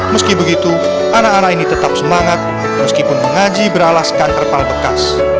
meski begitu anak anak ini tetap semangat meskipun mengaji beralaskan terpal bekas